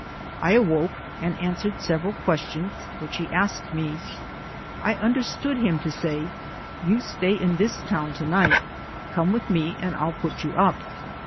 I awoke and answered several questions which he asked me. I understood him to say, "You stay in this town to night. Come with me and I'll put you up."